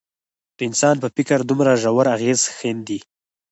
د انسان په فکر دومره ژور اغېز ښندي.